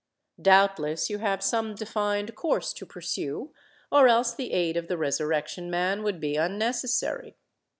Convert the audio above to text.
Doubtless you have some defined course to pursue; or else the aid of the Resurrection Man would be unnecessary.